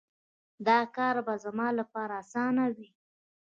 دا کار به زما لپاره اسانه وي